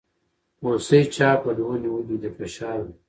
هوسۍ چا په دو نيولې دي خوشحاله